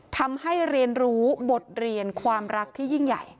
ทำให้เรียนรู้บทเรียนความรักที่ยิ่งใหญ่